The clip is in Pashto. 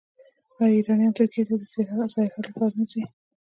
آیا ایرانیان ترکیې ته د سیاحت لپاره نه ځي؟